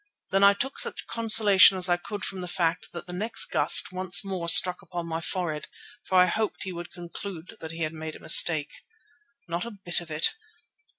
Then I took such consolation as I could from the fact that the next gust once more struck upon my forehead, for I hoped he would conclude that he had made a mistake. Not a bit of it!